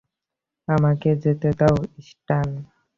আমাকে যেতে দাও, স্ট্যান।